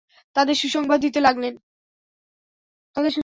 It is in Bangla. তাদের সুসংবাদ দিতে লাগলেন।